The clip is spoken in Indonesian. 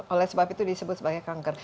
oleh sebab itu disebut sebagai kanker